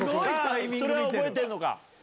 それは覚えてんのか？